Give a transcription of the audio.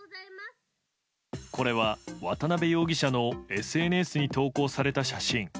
これは渡辺容疑者のＳＮＳに投稿された写真。